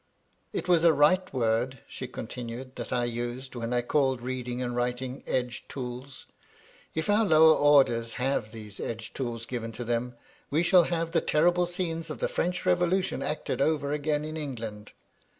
" It was a right word," she continued, " that I used, when I called reading and writing 'edge tools.' If our lower orders have these edge tools given to them, we shall have the terrible scenes of the French Revo lution acted over again in England.